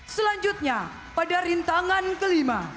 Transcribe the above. selanjutnya pada rintangan kelima